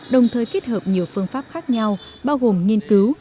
đồng thời kết hợp nhiều phương pháp khác nhau bao gồm nghiên cứu